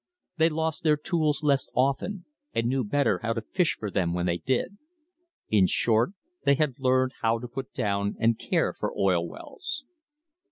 They lost their tools less often, and knew better how to fish for them when they did. In short, they had learned how to put down and care for oil wells.